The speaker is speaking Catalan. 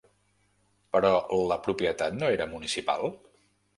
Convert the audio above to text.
Però la propietat no era municipal?